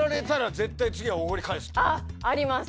あっあります。